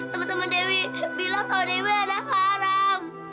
teman teman dewi bilang kamu dewi anak haram